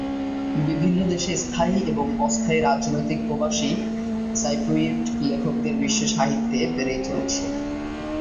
বিভিন্ন দেশে স্থায়ী ও অস্থায়ী রাজনৈতিক প্রবাসী সাইপ্রিয়ট লেখকদের বিশ্বে সাহিত্যে বেড়েই চলেছে।